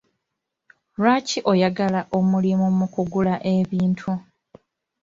Lwaki oyagala omulimu mu kugula ebintu?